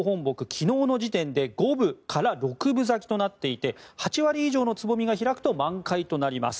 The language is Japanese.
昨日の時点で五分から六分咲きになっていて８割以上のつぼみが開くと満開となります。